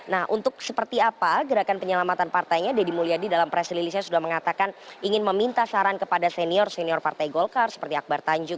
nah untuk seperti apa gerakan penyelamatan partainya deddy mulyadi dalam press releasenya sudah mengatakan ingin meminta saran kepada senior senior partai golkar seperti akbar tanjung